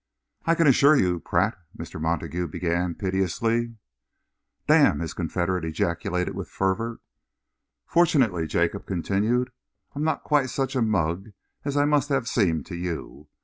"I can assure you, Pratt," Mr. Montague began piteously, "Damn!" his confederate ejaculated with fervour. "Fortunately," Jacob continued, "I am not quite such a mug as I must have seemed to you.